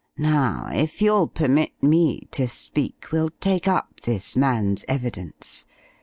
"Now, if you'll permit me to speak, we'll take up this man's evidence.